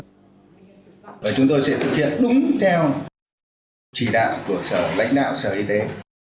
chúng tôi sẽ thực hiện đúng theo chỉ đạo của sở lãnh đạo sở y tế